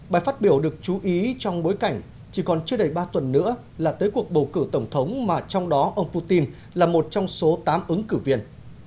bài phát biểu được chú ý trong bối cảnh chỉ còn chưa đầy ba tuần nữa là tới cuộc bầu cử tổng thống mà trong đó ông putin là một trong số tám ứng cử viên